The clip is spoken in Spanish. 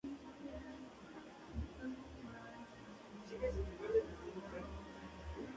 Según El País es una película entretenida, divertida y ecologista.